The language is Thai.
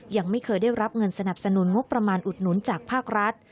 ยังไม่เคยได้รับเงินสนับสนุนงบประมาณอุดหนุนจากภาครัฐ